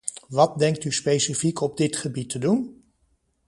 Wat denkt u specifiek op dit gebied te doen?